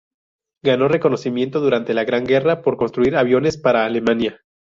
Ganó reconocimiento durante la Gran Guerra por construir aviones para Alemania.